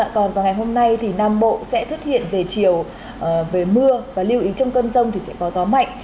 còn vào ngày hôm nay thì nam bộ sẽ xuất hiện về chiều về mưa và lưu ý trong cơn rông thì sẽ có gió mạnh